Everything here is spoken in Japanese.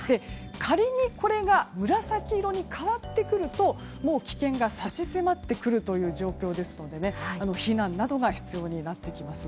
仮に、これが紫色に変わってくると危険が差し迫ってくるという状況ですので避難などが必要になってきます。